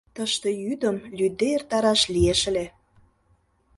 Тыште йӱдым лӱдде эртараш лиеш ыле.